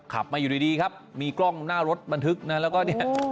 ขับมาอยู่ดีครับมีกล้องหน้ารถบันทึกนะแล้วก็เนี่ย